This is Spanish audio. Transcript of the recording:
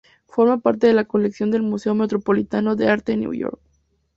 Forma parte de la colección del Museo Metropolitano de Arte en Nueva York.